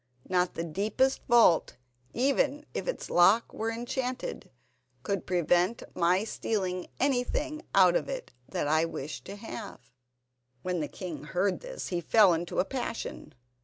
Not the deepest vault, even if its lock were enchanted, could prevent my stealing anything out of it that I wished to have." When the king heard this he fell into a passion.